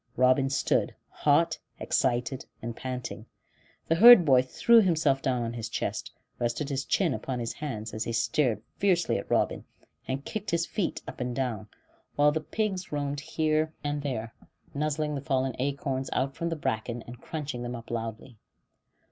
Robin stood, hot, excited, and panting; the herd boy threw himself down on his chest, rested his chin upon his hands, as he stared fiercely at Robin, and kicked his feet up and down; while the pigs roamed here and there, nuzzling the fallen acorns out from the bracken, and crunching them up loudly.